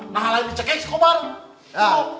nah hal lain dicekik si kobar